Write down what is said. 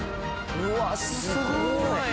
うわっすごい！